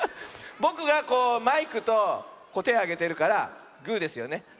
ぼくがこうマイクとてをあげてるからグーですよね。